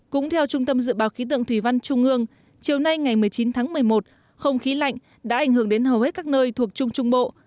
cũng theo trung tâm dự báo khí tượng thủy văn trung ương chiều nay ngày một mươi chín tháng một mươi một không khí lạnh đã ảnh hưởng đến hầu hết các nơi thuộc trung trung bộ